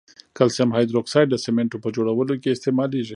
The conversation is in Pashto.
کلسیم هایدروکساید د سمنټو په جوړولو کې استعمالیږي.